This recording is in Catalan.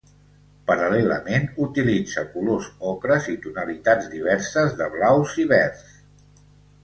Paral·lelament, utilitza colors ocres i tonalitats diverses de blaus i verds.